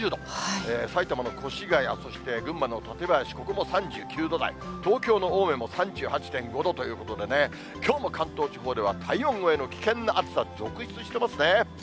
埼玉の越谷、そして群馬の館林、ここも３９度台、東京の青梅も３８．５度ということで、きょうも関東地方では、体温超えの危険な暑さ続出してますね。